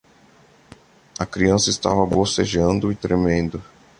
A criança estava bocejando e tremendo.